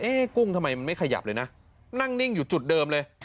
กุ้งทำไมมันไม่ขยับเลยนะนั่งนิ่งอยู่จุดเดิมเลย